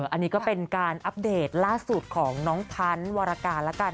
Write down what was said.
อันนี้ก็เป็นการอัปเดตล่าสุดของน้องพันธุ์วรการละกัน